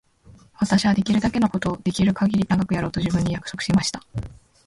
私はできるだけのことをできるかぎり長くやろうと自分に約束しました。